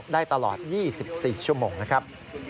ได้ตลอด๒๔ชั่วโมงนะครับ